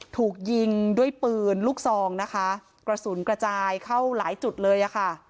ถูกยิงด้วยปืนลูกซองนะคะกระสุนกระจายเข้าหลายจุดเลยอะค่ะ